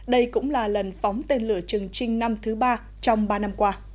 đây cũng là lần phóng tên lửa trường trinh năm thứ ba